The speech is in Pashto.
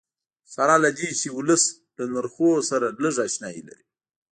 سره له دې چې ولس له نرخونو سره لږ اشنایي لري.